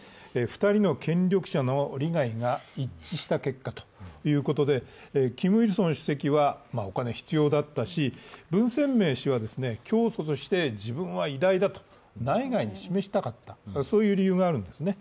２人の権力者の利害が一致した結果ということでキム・イルソン主席はお金が必要だったし、文鮮明氏は教祖として自分は偉大だと内外に示したかった、そういう理由があるんですね。